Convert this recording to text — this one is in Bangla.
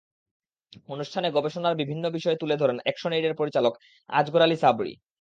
অনুষ্ঠানে গবেষণার বিভিন্ন বিষয় তুলে ধরেন অ্যাকশনএইডের পরিচালক আজগর আলী সাবরী।